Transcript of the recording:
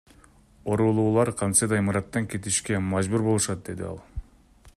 Оорулуулар кантсе да имараттан кетишке мажбур болушат, — деди ал.